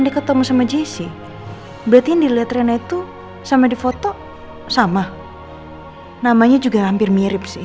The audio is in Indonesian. di ketemu sama jesi berarti ini lihat renai tuh sama di foto sama namanya juga hampir mirip sih